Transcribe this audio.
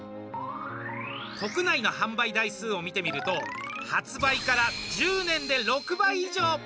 国内の販売台数を見てみると発売から１０年で６倍以上！